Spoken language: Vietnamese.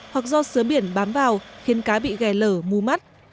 hoặc do sứa biển bám vào khiến cá bị gẻ lở mù mắt